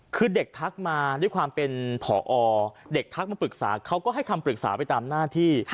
คือเด็กทักมาด้วยความเป็นผอเด็กทักมาปรึกษาเขาก็ให้คำปรึกษาไปตามหน้าที่